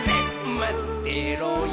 まってろよ−！